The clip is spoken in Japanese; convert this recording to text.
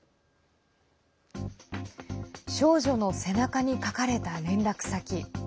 少女の背中に書かれた連絡先。